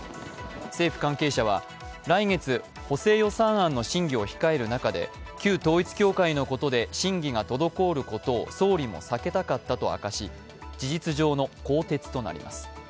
政府関係者は、来月、補正予算案の審議を控える中で旧統一教会のことで審議が滞ることを総理も避けたかったと明かし、事実上の更迭となります。